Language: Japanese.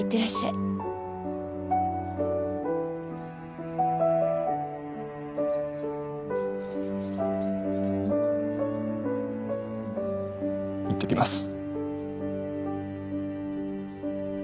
いってきます。